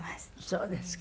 そうですか。